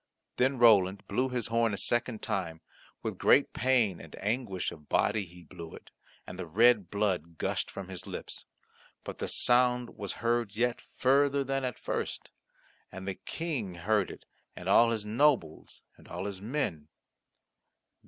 Then Roland blew his horn a second time; with great pain and anguish of body he blew it, and the red blood gushed from his lips; but the sound was heard yet further than at first. Again the King heard it, and all his nobles, and all his men.